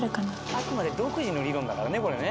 あくまで独自の理論だからねこれね。